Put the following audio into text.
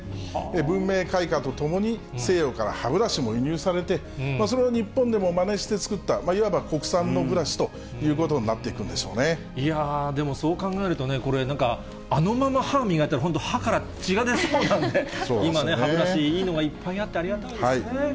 文明開化とともに、西洋から歯ブラシも輸入されて、それを日本でもまねして作った、国産のブラシということになってでも、そう考えるとね、なんかあのまま歯磨いたら、本当、歯から血が出そうなんで、今ね、歯ブラシいいのがいっぱいあってありがたいですね。